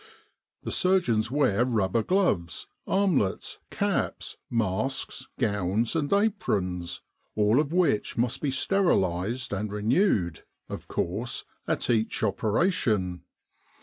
The surgeon's wear rubber gloves, armlets, caps, masks, gowns, and aprons, all of which must be sterilised, and renewed, of course, at each operation.